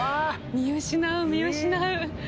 見失う見失う。